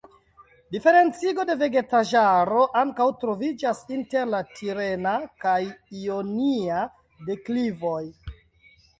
Diferencigo de vegetaĵaro ankaŭ troviĝas inter la tirena kaj ionia deklivoj.